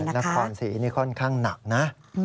นครศรีนี่ค่อนข้างหนักนะ